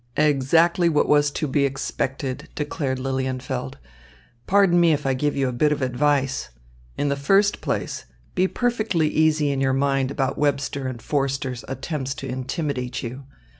"Exactly what was to be expected," declared Lilienfeld. "Pardon me if I give you a bit of advice. In the first place, be perfectly easy in your mind about Webster and Forster's attempts to intimidate you.